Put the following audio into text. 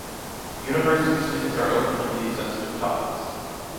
The university students are open to these sensitive topics.